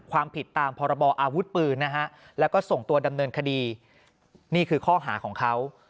ความผิดตามพรบออาวุธปืนนะฮะแล้วก็ส่งตัวดำเนินคดีนี่คือข้อหาของเขา